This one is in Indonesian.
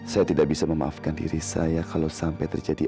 saya tidak bisa memaafkan diri saya kalau sampai terjadi